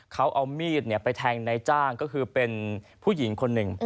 เขาเอามีดไปแทงนายจ้างก็คือเป็นผู้หญิงคนหนึ่ง